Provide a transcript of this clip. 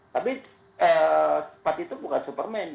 tapi spad itu bukan superman